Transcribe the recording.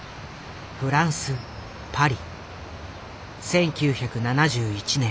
１９７１年